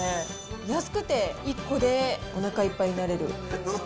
安くて１個でおなかいっぱいになれる。